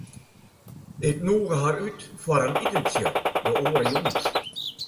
Ik nûge har út foar in itentsje de oare jûns.